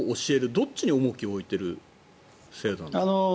どっちに重きを置いている制度なんですか？